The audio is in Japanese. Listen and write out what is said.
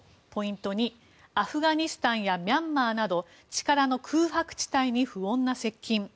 ポイント２、アフガニスタンやミャンマーなど力の空白地帯に不穏な接近。